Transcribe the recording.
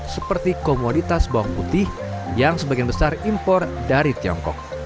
seperti komoditas bawang putih yang sebagian besar impor dari tiongkok